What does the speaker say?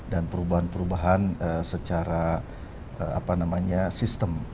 dan perubahan perubahan secara sistem